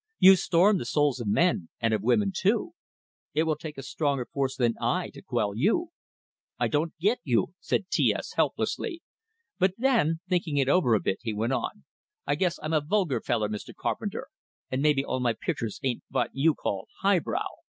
You storm the souls of men, and of women too. It will take a stronger force than I to quell you." "I don't git you," said T S, helplessly; but then, thinking it over a bit, he went on: "I guess I'm a vulgar feller, Mr. Carpenter, and maybe all my pictures ain't vot you call high brow.